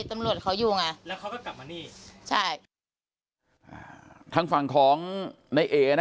ตำรวจเขาอยู่ไงแล้วเขาก็กลับมานี่ใช่อ่าทางฝั่งของในเอนะ